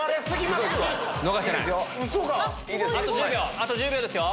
あと１０秒ですよ。